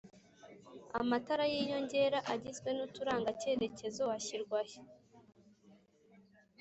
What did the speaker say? amatara y’inyongera agizwe n’uturanga kerekezo ashyirwahe